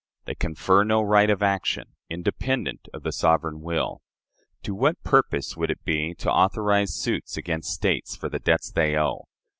They confer no right of action, independent of the sovereign will. To what purpose would it be to authorize suits against States for the debts they owe?